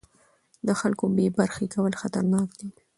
د خلکو بې برخې کول خطرناک دي